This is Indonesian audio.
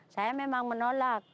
saya memang menolak